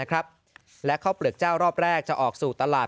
และข้าวเปลือกเจ้ารอบแรกจะออกสู่ตลาด